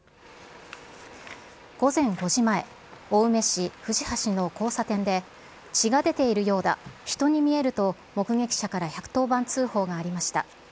午前５時前、青梅市藤橋の交差点で、血が出ているようだ、人に見えると、目撃者から１１０番通報がありました。